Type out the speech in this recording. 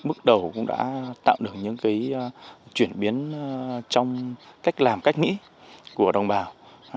bước đầu cũng đã tạo được những chuyển biến trong cách làm cách nghĩ của đồng bào